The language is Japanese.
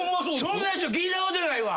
そんな人聞いたことないわ。